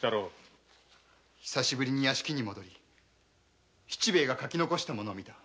久しぶりに屋敷に戻り七兵衛が書き残したものを見た。